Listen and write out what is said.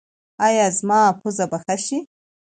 ایا زما پوزه به ښه شي؟